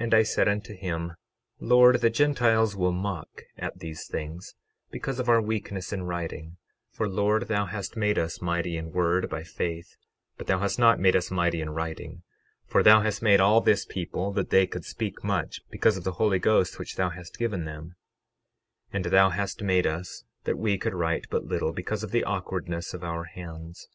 12:23 And I said unto him: Lord, the Gentiles will mock at these things, because of our weakness in writing; for Lord thou hast made us mighty in word by faith, but thou hast not made us mighty in writing; for thou hast made all this people that they could speak much, because of the Holy Ghost which thou hast given them; 12:24 And thou hast made us that we could write but little, because of the awkwardness of our hands.